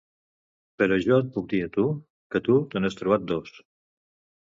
Però jo et puc dir a tu que tu te n'has trobat dos.